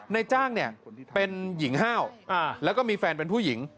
ในจ้างเป็นหญิงฮาวและก็มีแฟนเป็นผู้หญิง